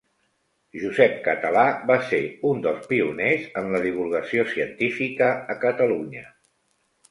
Josep Català va ser un dels pioners en la divulgació científica a Catalunya.